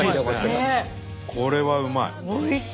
これはうまい！